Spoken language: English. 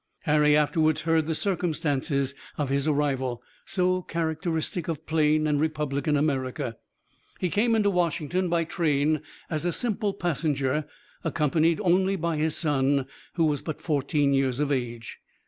Harry afterward heard the circumstances of his arrival, so characteristic of plain and republican America. He came into Washington by train as a simple passenger, accompanied only by his son, who was but fourteen years of age.